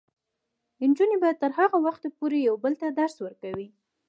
نجونې به تر هغه وخته پورې یو بل ته درس ورکوي.